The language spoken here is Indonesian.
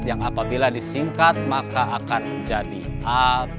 yang apabila disingkat maka akan menjadi abu